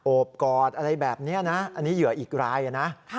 บกอดอะไรแบบนี้นะอันนี้เหยื่ออีกรายนะ